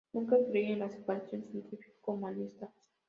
Nunca creí en la separación científico humanista".